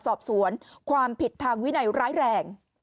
สอบสวนความผิดทางวินัยร้ายแรง